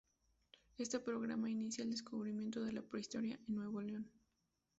Este programa inicia el descubrimiento de la prehistoria en Nuevo León.